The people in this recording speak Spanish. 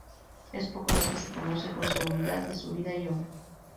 Es poco lo que se conoce con seguridad de su vida y obra.